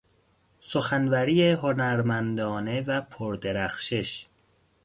سخنوری هنرمندانه و پردرخشش